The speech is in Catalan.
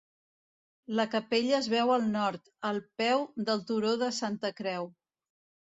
La capella es veu al nord, al peu del turó de Santa Creu.